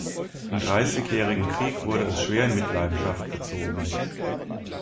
Im Dreißigjährigen Krieg wurde es schwer in Mitleidenschaft gezogen.